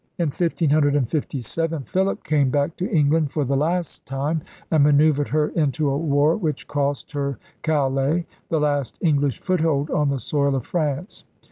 In 1557 Philip came back to England for the last time and manoeuvred her into a war which cost her Calais, the last English foothold on the soil of France.